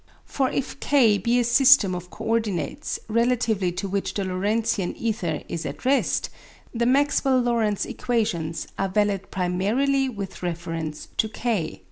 For if K be a system of co ordinates relatively to which the Lorentzian ether is at rest, the Maxwell Lorentz equations are valid primarily with reference to K.